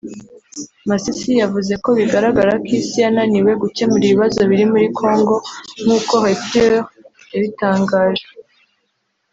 Masisi yavuze ko bigaragara ko Isi yananiwe gukemura ibibazo biri muri Congo nk’uko Reuters yabitangaje